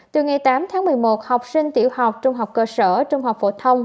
từ ngày tám tháng một mươi một học sinh tiểu học trung học cơ sở trung học phổ thông